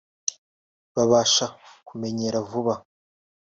babasha kumenyera vuba